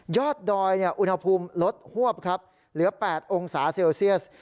อดดอยอุณหภูมิลดฮวบครับเหลือ๘องศาเซลเซียส